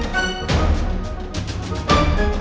jangan lupa m cyber